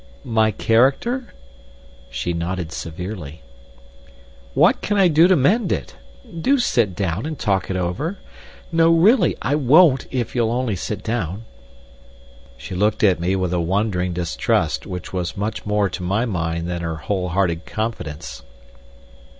"My character?" She nodded severely. "What can I do to mend it? Do sit down and talk it over. No, really, I won't if you'll only sit down!" She looked at me with a wondering distrust which was much more to my mind than her whole hearted confidence.